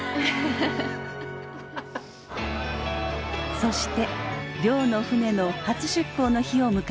そして亮の船の初出港の日を迎えました。